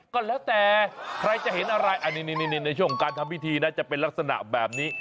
ก็แล้วแต่ใครจะเห็นอะไรอันนี้ในช่วงการทำพิธีน่าจะเป็นลักษณะแบบนี้